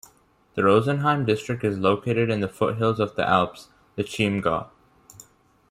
The Rosenheim district is located in the foothills of the Alps, the Chiemgau.